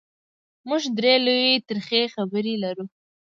موږ درې لویې ترخې خبرې لرو: